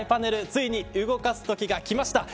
ついに動かすときがきました。